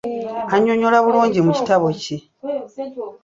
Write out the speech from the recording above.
Annyonnyola bulungi mu kitabo kye.